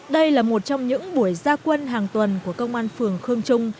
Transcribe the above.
đây là một trong những buổi gia quân hàng tuần của công an phường khương trung